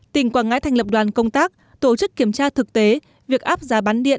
tỉnh quảng ngãi thành lập đoàn công tác tổ chức kiểm tra thực tế việc áp giá bán điện